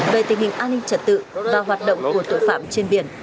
về tình hình an ninh trật tự và hoạt động của tội phạm trên biển